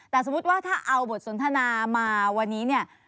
แต่สมมุติว่าถ้าเอาบทสนทนามาวันนี้เนี่ย